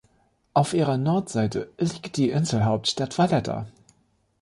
Auf ihrer Nordseite liegt die Inselhauptstadt Valletta.